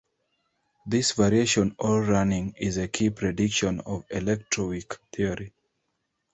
This variation, or 'running', is a key prediction of the electroweak theory.